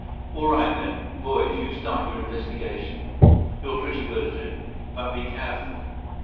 "All right then. Boys, you start your investigation. You're pretty good at it. But be careful.